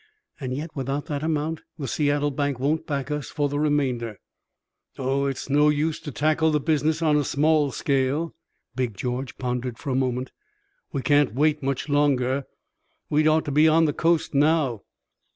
"And yet, without that amount the Seattle bank won't back us for the remainder." "Oh, it's no use to tackle the business on a small scale." Big George pondered for a moment. "We can't wait much longer. We'd ought to be on the coast now.